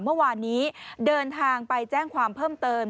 เมื่อวานนี้เดินทางไปแจ้งความเพิ่มเติม